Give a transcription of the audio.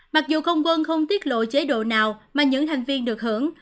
mặc dù không quân không tiết lộ chế độ nào mà những thành viên được hưởng